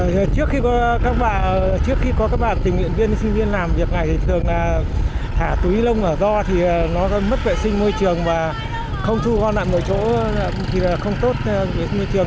trước khi có các bạn tình nguyện viên sinh viên làm việc này thì thường thả túi lông ở do thì nó mất vệ sinh môi trường và không thu gom lại mọi chỗ thì là không tốt môi trường